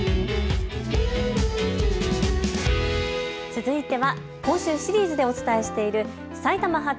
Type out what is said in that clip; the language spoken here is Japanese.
続いては今週シリーズでお伝えしている埼玉発！